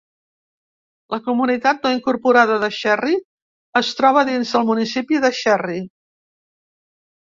La comunitat no incorporada de Cherry es troba dins del municipi de Cherry.